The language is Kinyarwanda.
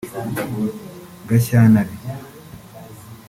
Gashyantare